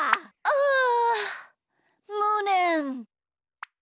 あむねん！